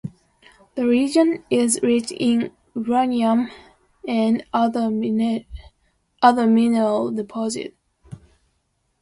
The region is rich in uranium and other mineral deposits.